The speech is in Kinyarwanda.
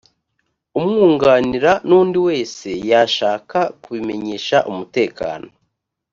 umwunganira n undi wese yashaka kubimenyesha umutekano